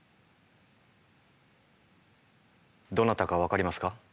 どなたか分かりますか？